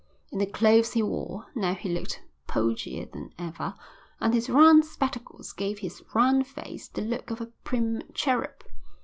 In the clothes he wore now he looked podgier than ever, and his round spectacles gave his round face the look of a prim cherub.